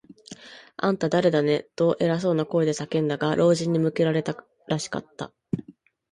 「あんた、だれだね？」と、偉そうな声が叫んだが、老人に向けられたらしかった。